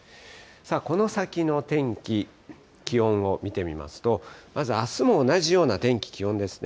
この先の天気、気温を見てみますと、まずあすも同じような天気、気温ですね。